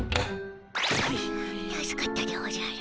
助かったでおじゃる。